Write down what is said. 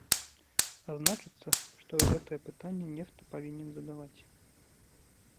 А значыцца, што гэтыя пытанні нехта павінен задаваць.